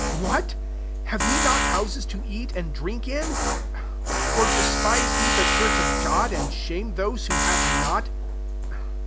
22 What ? have je not houses to eat and drink inP or despise ye the church bf God, and shame those who have not?